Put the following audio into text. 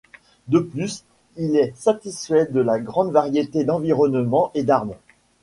De plus, il est satisfait de la grande variété d'environnements et d'armes.